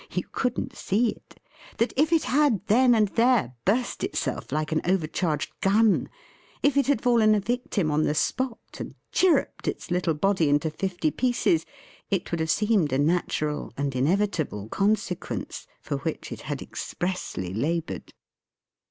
you couldn't See it!) that if it had then and there burst itself like an overcharged gun: if it had fallen a victim on the spot, and chirruped its little body into fifty pieces: it would have seemed a natural and inevitable consequence, for which it had expressly laboured.